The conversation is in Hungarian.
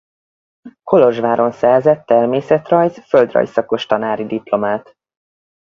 Kolozsváron szerzett természetrajz-földrajz szakos tanári diplomát.